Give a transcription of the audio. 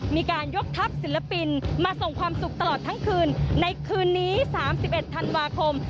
มีการยกทัพศิลปินมาส่งความสุขตลอดทั้งคืนในคืนนี้๓๑ธันวาคม